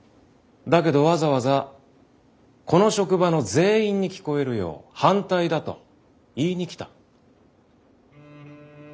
だけどわざわざこの職場の全員に聞こえるよう反対だと言いに来た。